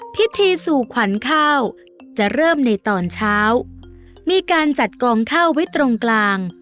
พิธีสู่ขวัญข้าวจะเริ่มในตอนเช้ามีการจัดกองข้าวไว้ตรงกลาง